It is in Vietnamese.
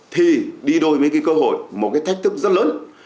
thì đi đôi với cái cơ hội một cái thách thức rất lớn